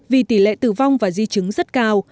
vì tỷ lệ tử vong và di chứng rất cao